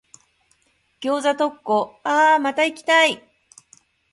餃子特講、あぁ、また行きたい。